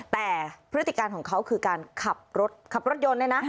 แต่พฤติการของเขาคือการขับรถขับรถยนต์เนี่ยนะ